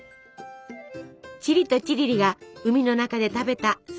チリとチリリが海の中で食べた涼しげなスイーツ！